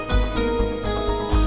aku sudah berhenti